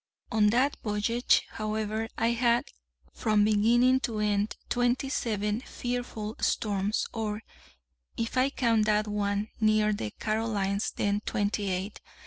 On that voyage, however, I had, from beginning to end, twenty seven fearful storms, or, if I count that one near the Carolines, then twenty eight.